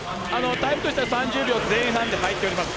タイムとしては３秒前半で入っています。